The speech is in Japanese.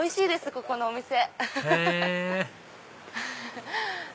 ここのお店。